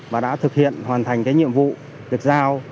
và đã thực hiện hoàn thành cái nhiệm vụ được giao